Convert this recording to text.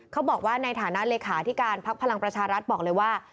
เขาบอกว่าในฐานะเลขาที่การพักพลังประชารัฐบอกเลยว่า